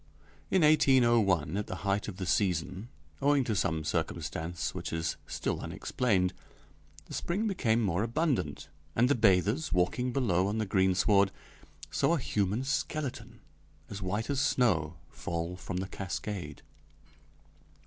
In 1801, at the height of the season, owing to some circumstance which is still unexplained, the spring became more abundant, and the bathers, walking below on the greensward, saw a human skeleton as white as snow fall from the cascade.